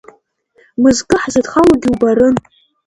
Мызкы ҳзыдхалогьы убарын.